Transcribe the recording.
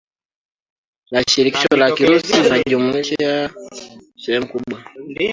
la Shirikisho la Kirusi linajumlisha sehemu kubwa